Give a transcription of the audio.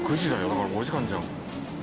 だから５時間じゃん。